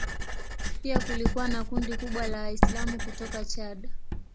Pia kulikuwa na kundi kubwa la Waislamu kutoka Chad.